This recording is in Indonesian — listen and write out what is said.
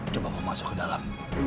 coba mau masuk ke dalam